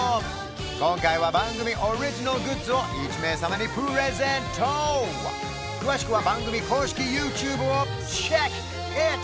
今回は番組オリジナルグッズを１名様にプレゼント詳しくは番組公式ＹｏｕＴｕｂｅをＣｈｅｃｋｉｔｏｕｔ！